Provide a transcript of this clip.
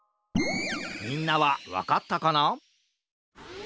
みんなはわかったかな？